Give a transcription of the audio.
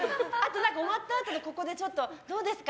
終わったあとにここでどうですか？